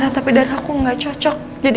after itu kau bilang keank program